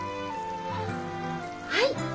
はい！